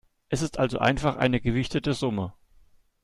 Es ist also einfach eine gewichtete Summe.